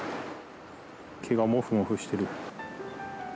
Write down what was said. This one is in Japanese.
毛がもふもふしてる。